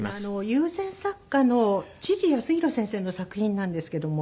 友禅作家の千地泰弘先生の作品なんですけども。